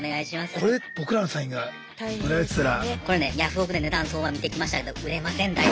これねヤフオクで値段相場見てきましたけど売れません大丈夫。